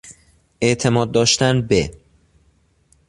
اعتماد داشتن به